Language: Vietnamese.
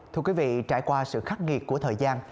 thưa quý vị trải qua sự khắc nghiệt của thời gian